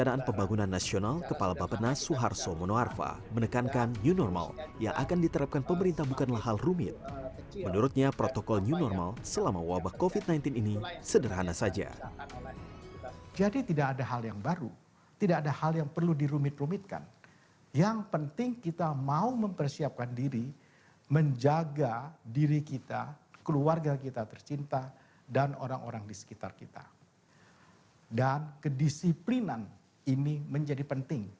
dan kedisiplinan ini menjadi penting